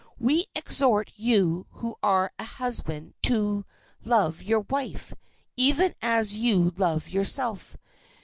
We exhort you who are a husband to love your wife even as you love yourself.